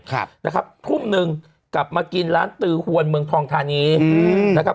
ครับนะครับทุ่มหนึ่งกลับมากินร้านตือหวนเมืองทองทานีอืมนะครับ